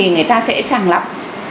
người ta sẽ sàng lọc